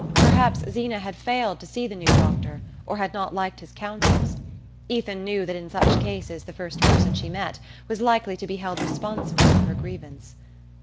Perhaps Zeena had failed to see the new doctor or had not liked his counsels: Ethan knew that in such cases the first person she met was likely to be held responsible for her grievance.